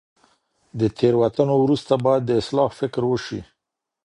د تیروتنو وروسته باید د اصلاح فکر وشي.